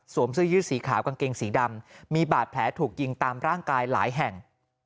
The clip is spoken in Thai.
เสื้อยืดสีขาวกางเกงสีดำมีบาดแผลถูกยิงตามร่างกายหลายแห่ง